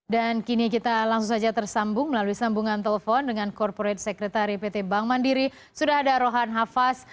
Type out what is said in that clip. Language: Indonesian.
dan kini kita langsung saja tersambung melalui sambungan telepon dengan corporate secretary pt bank mandiri sudah ada rohan hafaz